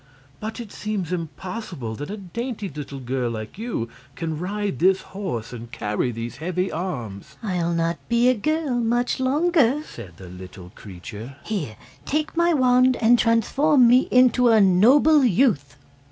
"But it seems impossible that a dainty little girl like you can ride this horse and carry these heavy arms." "I'll not be a girl much longer," said the little creature. "Here, take my wand, and transform me into a noble youth!"